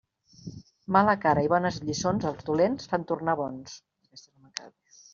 Mala cara i bones lliçons, als dolents fan tornar bons.